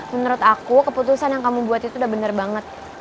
menurut aku keputusan yang kamu buat itu udah benar banget